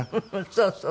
そうそう。